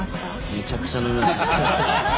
めちゃくちゃ飲みました。